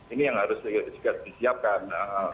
ini yang harus juga disiapkan